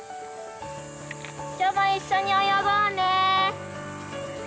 今日も一緒に泳ごうね！